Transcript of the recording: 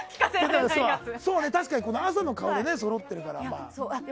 でも、確かに朝の顔がそろってるからね。